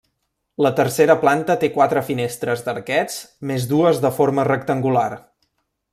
La tercera planta té quatre finestres d'arquets més dues de forma rectangular.